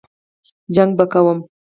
جنګ به کوم.